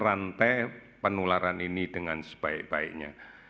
untuk mengendalikan penyakit ini